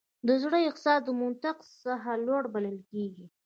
د زړه احساس د منطق څخه لوړ بلل کېږي.